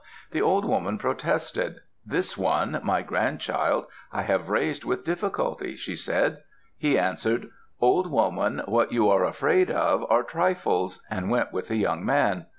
The old woman protested. "This one, my grandchild, I have raised with difficulty," she said. He answered, "Old woman, what you are afraid of are trifles," and went with the young man.